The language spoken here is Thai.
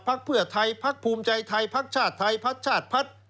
ภักดิ์เพื่อไทยภักดิ์ภูมิใจไทยภักดิ์ชาติไทยภักดิ์ชาติภักดิ์